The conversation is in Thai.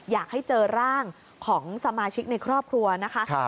อยากให้เจอร่างของสมาชิกในครอบครัวนะคะ